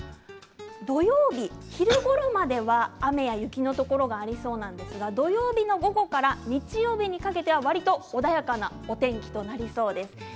土曜日、昼ごろまでは雨や雪のところがありそうなんですが、土曜日の午後から日曜日にかけては、わりと穏やかなお天気となりそうです。